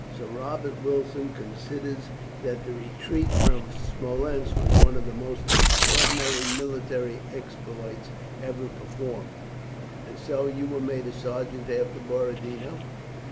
Sir Robert Wilson considers that the retreat from Smolensk was one of the most extraordinary military exploits ever performed. And so you were made a sergeant after Borodino?